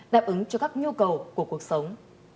đáp ứng cho các nhu cầu của cuộc sống